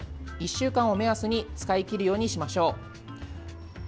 １週間を目安に使い切るようにしましょう。